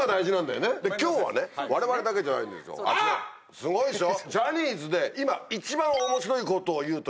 すごいでしょ？